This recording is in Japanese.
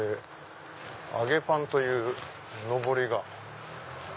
「あげパン」というのぼりが。